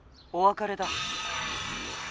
おわかれだ。